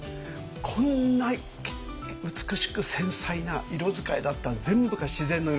こんな美しく繊細な色使いだった全部が自然の色なんです。